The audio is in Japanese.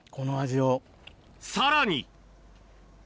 さらに。